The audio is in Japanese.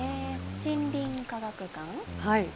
森林科学館。